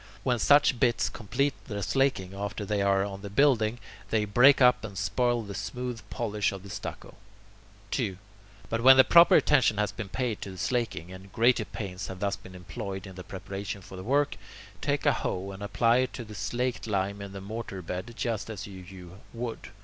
When such bits complete their slaking after they are on the building, they break up and spoil the smooth polish of the stucco. 2. But when the proper attention has been paid to the slaking, and greater pains have thus been employed in the preparation for the work, take a hoe, and apply it to the slaked lime in the mortar bed just as you hew wood.